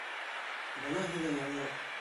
Бына һиңә яңылыҡ!